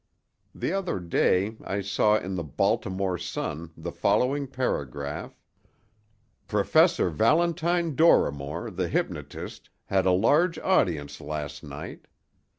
The other day I saw in the Baltimore Sun the following paragraph: "Professor Valentine Dorrimore, the hypnotist, had a large audience last night.